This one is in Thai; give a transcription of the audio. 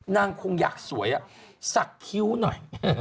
นางคงอยากสวยสักคิ้วหน่อย